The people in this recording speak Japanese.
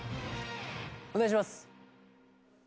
お願いします。